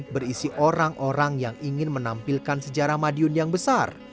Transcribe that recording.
berisi orang orang yang ingin menampilkan sejarah madiun yang besar